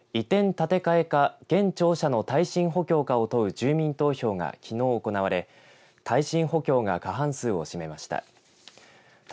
建て替えか現庁舎の耐震補強かを問う住民投票がきのう行われ耐震補強が過半数を占めました。